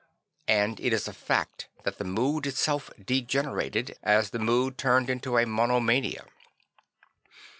And it is a fact that the mood itself degenerated, as the mood turned into a monomania.